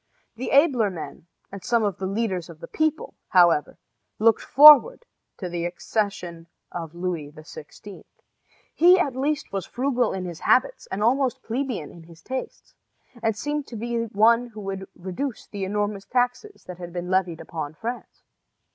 The abler men, and some of the leaders of the people, however, looked forward to the accession of Louis XVI. He at least was frugal in his habits and almost plebeian in his tastes, and seemed to be one who would reduce the enormous taxes that had been levied upon France.